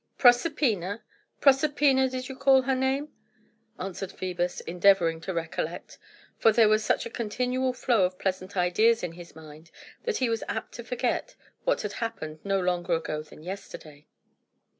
"Proserpina! Proserpina, did you call her name?" answered Phœbus, endeavouring to recollect; for there was such a continual flow of pleasant ideas in his mind that he was apt to forget what had happened no longer ago than yesterday.